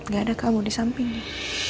gak ada kamu di sampingnya